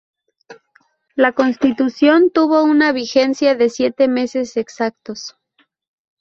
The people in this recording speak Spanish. La constitución tuvo una vigencia de siete meses exactos.